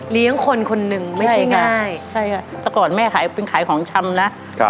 คนคนหนึ่งไม่ใช่งานใช่ใช่ค่ะแต่ก่อนแม่ขายเป็นขายของชำนะครับ